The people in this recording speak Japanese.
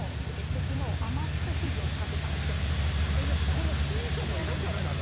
このシートの色からなの？